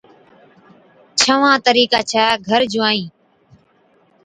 ڇھوان طريقا ڇَي گھر جُوائِين